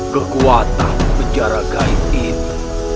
kekuatan penjara gaib itu